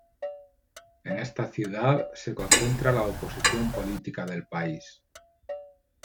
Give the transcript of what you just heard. En esta ciudad se concentra la oposición política del país.